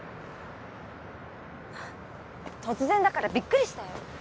突然だからびっくりしたよ。